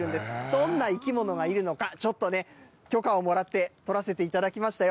どんな生き物がいるのか、ちょっと許可をもらって、とらせていただきましたよ。